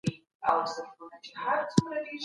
ښځه د ټولنیز پیوستون او یووالي تر ټولو پیاوړې نښه ده.